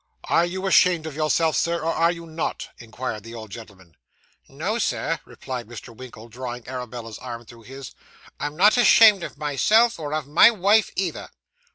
'Are you ashamed of yourself, Sir, or are you not?' inquired the old gentleman. 'No, Sir,' replied Mr. Winkle, drawing Arabella's arm through his. 'I am not ashamed of myself, or of my wife either.